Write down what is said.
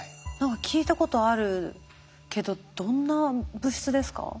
何か聞いたことあるけどどんな物質ですか？